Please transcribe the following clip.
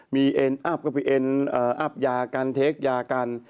มีเอ็นอัพก็ไปเอ็นอัพยากันเทคยากัน